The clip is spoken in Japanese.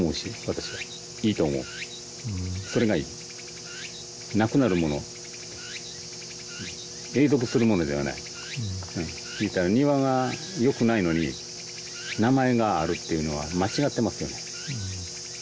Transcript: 私はいいと思うそれがいいなくなるもの永続するものではない庭がよくないのに名前があるっていうのは間違ってますよね